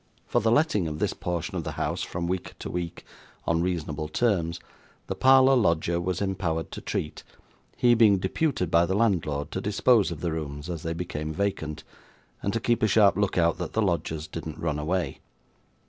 For the letting of this portion of the house from week to week, on reasonable terms, the parlour lodger was empowered to treat; he being deputed by the landlord to dispose of the rooms as they became vacant, and to keep a sharp look out that the lodgers didn't run away.